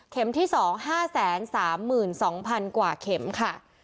เข็มที่สอง๕๓๒๐๐๐บาทกว่าเข็มค่ะ